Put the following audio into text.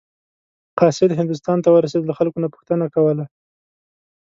قاصد هندوستان ته ورسېده له خلکو نه پوښتنه کوله.